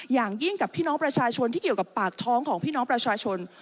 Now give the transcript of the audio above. อย่างยิ่งกับพี่น้องประชาชนที่เกี่ยวกับปากท้องของพี่น้องประชาชน